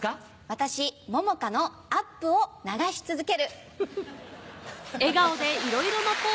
私桃花のアップを流し続ける。